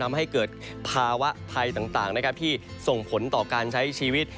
ทำให้เกิดภาวะภัยต่างที่ส่งผลต่อการใช้ชีวิต